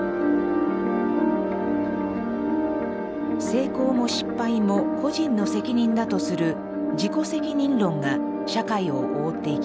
成功も失敗も個人の責任だとする自己責任論が社会を覆っていきます。